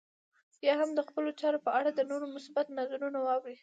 يا هم د خپلو چارو په اړه د نورو مثبت نظر واورئ.